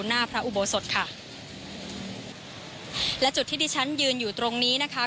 หน้าพระอุโบสถค่ะและจุดที่ดิฉันยืนอยู่ตรงนี้นะคะ